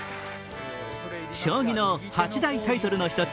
将棋の８大タイトルの一つ